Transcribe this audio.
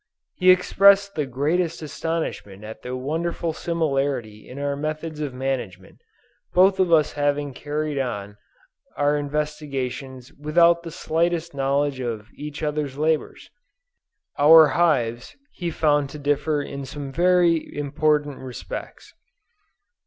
He expressed the greatest astonishment at the wonderful similarity in our methods of management, both of us having carried on our investigations without the slightest knowledge of each other's labors. Our hives, he found to differ in some very important respects.